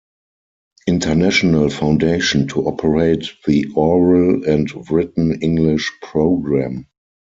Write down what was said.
International Foundation to operate the Oral and Written English Programme.